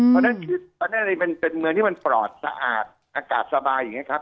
เพราะฉะนั้นคือตอนนี้เป็นเมืองที่มันปลอดสะอาดอากาศสบายอย่างนี้ครับ